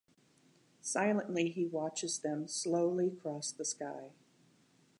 Silently he watches them slowly cross the sky.